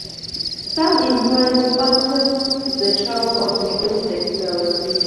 Some employers sponsored the travel of migrants back to their workplaces.